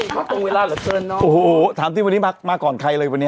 เขาตรงเวลาเหลือเกินเนอะโอ้โหถามที่วันนี้มามาก่อนใครเลยวันนี้